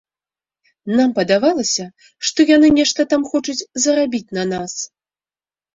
Нам падавалася, што яны нешта там хочуць зарабіць на нас.